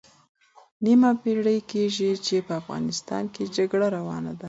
نیمه پېړۍ کېږي چې په افغانستان کې جګړه روانه ده.